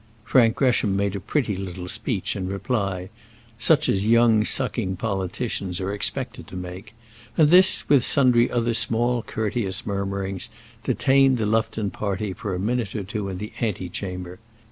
Frank Gresham made a pretty little speech in reply, such as young sucking politicians are expected to make; and this, with sundry other small courteous murmurings, detained the Lufton party for a minute or two in the ante chamber.